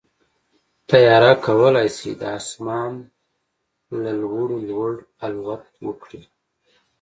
طیاره کولی شي د اسمان له لوړو لوړ الوت وکړي.